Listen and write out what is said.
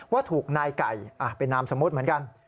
ว่าถูกนายไก่เป็นนามสมมุติเหมือนกัน